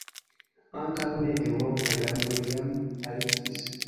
Ankaŭ ne-eŭropaj landoj jam aliĝis.